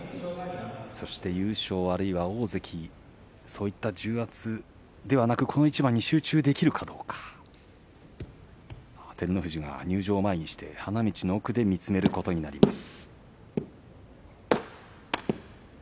そして優勝あるいは大関といった重圧ではなくこの一番に集中できるかどうか照ノ富士は入場を前にして花道の奥で見つめることになります。